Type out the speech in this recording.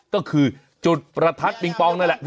ก็คือจุดประทัดปิงปองนั่นแหละ